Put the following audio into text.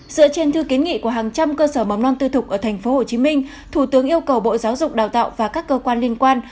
dựa trên thư kiến nghị của hàng trăm cơ sở mầm non tư thục ở tp hcm thủ tướng yêu cầu bộ giáo dục đào tạo và các cơ quan liên quan